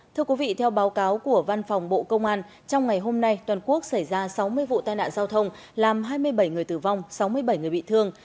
thưa quý vị theo báo cáo của văn phòng bộ công an trong ngày hôm nay toàn quốc xảy ra sáu mươi vụ tai nạn giao thông làm hai mươi bảy người tử vong sáu mươi bảy người bị thương